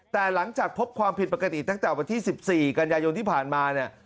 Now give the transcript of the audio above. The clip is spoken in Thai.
แต่หลังพบความผิดปกติทั้งแต่วันที่๑๔กยที่ผ่านมา